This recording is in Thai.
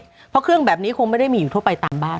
เพราะเครื่องแบบนี้คงไม่ได้มีอยู่ทั่วไปตามบ้าน